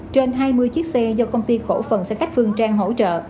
trên hai mươi chiếc xe do công ty cổ phần xe khách phương trang hỗ trợ